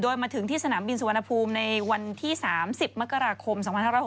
โดยมาถึงที่สนามบินสุวรรณภูมิในวันที่๓๐มกราคม๒๕๖๖